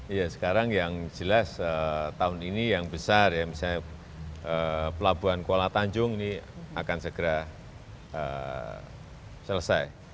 iya sekarang yang jelas tahun ini yang besar ya misalnya pelabuhan kuala tanjung ini akan segera selesai